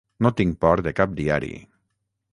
No tinc por de cap diari.